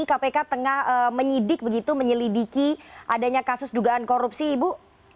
kpk tengah menyidik begitu menyelidiki adanya kasus dugaan korupsi ibu